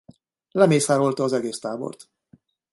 Lemészárolta az egész tábort.